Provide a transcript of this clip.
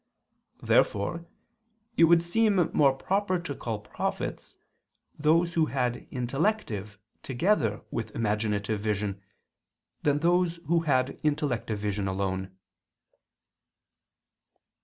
Therefore it would seem more proper to call prophets those who had intellective together with imaginative vision, than those who had intellective vision alone.